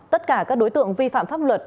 tất cả các đối tượng vi phạm pháp luật